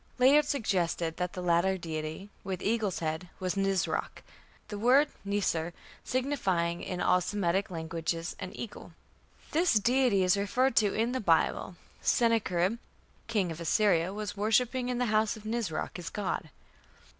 Layard suggested that the latter deity, with eagle's head, was Nisroch, "the word Nisr signifying, in all Semitic languages, an eagle ". This deity is referred to in the Bible: "Sennacherib, king of Assyria, ... was worshipping in the house of Nisroch, his god".